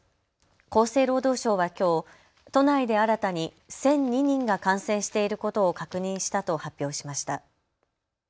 厚生労働省はきょう都内で新たに１００２人が感染していることを確認したと発表しました。